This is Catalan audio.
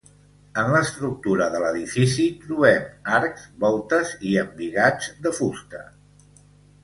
En l'estructura de l'edifici trobem arcs, voltes i embigats de fusta.